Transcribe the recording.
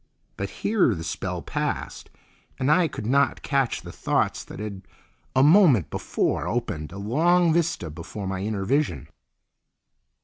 But here the spell passed and I could not catch the thoughts that had a moment before opened a long vista before my inner vision.